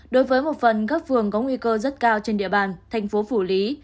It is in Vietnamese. đối với một phần các phường có nguy cơ rất cao trên địa bàn thành phố phủ lý